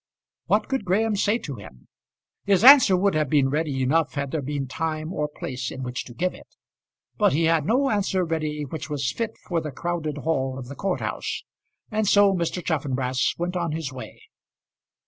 What could Graham say to him? His answer would have been ready enough had there been time or place in which to give it. But he had no answer ready which was fit for the crowded hall of the court house, and so Mr. Chaffanbrass went on his way.